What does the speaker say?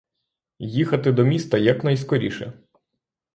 Їхати до міста якнайскоріше!